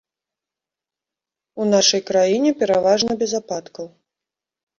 У нашай краіне пераважна без ападкаў.